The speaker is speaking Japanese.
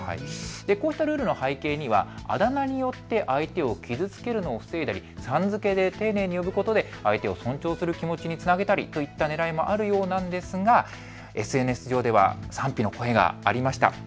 こういったルールの背景にはあだ名によって相手を傷つけるのを防いだりさん付けで丁寧に呼ぶことで相手を尊重する気持ちにつなげたりといったねらいもあるようなんですが、ＳＮＳ上では賛否の声がありました。